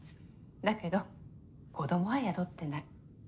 だけど子どもは宿ってない。